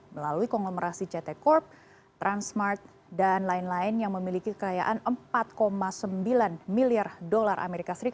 melalui konglomerasi ct corp transmart dan lain lain yang memiliki kekayaan empat sembilan miliar dolar as